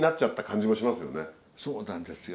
そうなんですよ